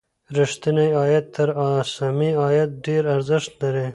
ریښتینی عاید تر اسمي عاید ډېر ارزښت لري.